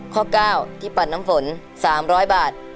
ข้อ๙ที่ปั่นน้ำฝน๓๐๐บาท